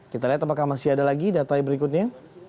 kita lihat apakah masih ada lagi data berikutnya